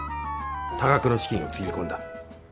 多額の資金をつぎ込んだ。